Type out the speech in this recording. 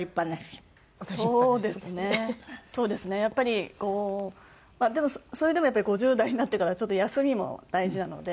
やっぱりこうまあでもそれでもやっぱり５０代になってからはちょっと休みも大事なので。